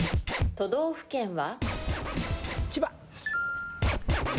都道府県は？